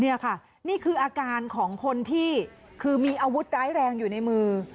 นี่ค่ะนี่คืออาการของคนที่คือมีอาวุธร้ายแรงอยู่ในมือ